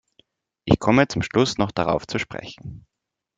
Ich komme zum Schluss noch darauf zu sprechen.